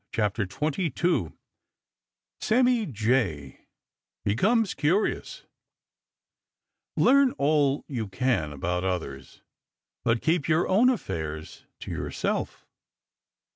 CHAPTER XXII SAMMY JAY BECOMES CURIOUS Learn all you can about others, but keep your own affairs to yourself.